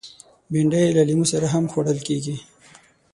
بېنډۍ له لیمو سره هم خوړل کېږي